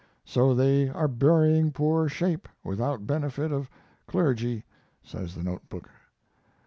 "So they are burying poor 'Shape' without benefit of clergy," says the note book.